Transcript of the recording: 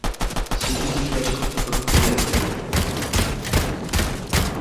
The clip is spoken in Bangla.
সেদিকে গিয়া সমস্ত খুজিয়া দেখিল।